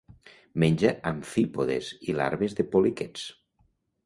Menja amfípodes i larves de poliquets.